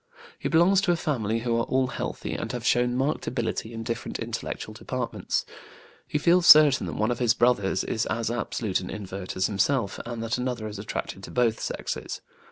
He belongs to a family who are all healthy and have shown marked ability in different intellectual departments. He feels certain that one of his brothers is as absolute an invert as himself and that another is attracted to both sexes.